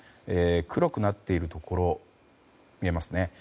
黒くなっているところ見えますね。